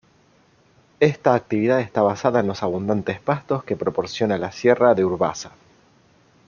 Esta actividad está basada en los abundantes pastos que proporciona la sierra de Urbasa.